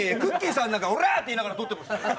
さんなんか、オラーって言いながら取ってた。